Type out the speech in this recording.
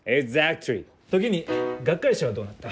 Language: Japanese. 時に学会誌はどうなった？